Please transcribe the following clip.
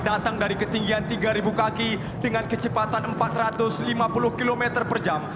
datang dari ketinggian tiga kaki dengan kecepatan empat ratus lima puluh km per jam